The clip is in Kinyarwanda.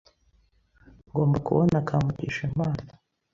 Ngomba kubona Kamugisha impano.